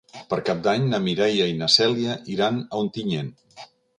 Per Cap d'Any na Mireia i na Cèlia iran a Ontinyent.